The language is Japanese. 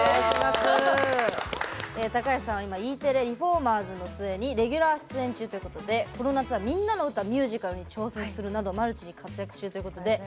高橋さんは、Ｅテレ「リフォーマーズの杖」レギュラー出演中ということでこの夏は「みんなのうたミュージカル」に挑戦するなどマルチに活躍中ということで。